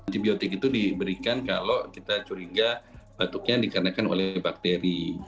antibiotik itu diberikan kalau kita curiga batuknya dikarenakan oleh bakteri